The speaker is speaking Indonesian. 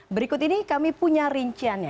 berikut ini kami punya rinciannya